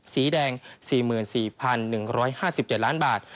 สีแดง๔๔๑๕๗ล้านบาท